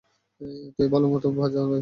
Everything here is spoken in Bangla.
তো ভালোমতো বাজা, ভাইলোগ।